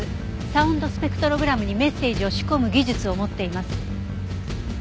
サウンドスペクトログラムにメッセージを仕込む技術を持っています。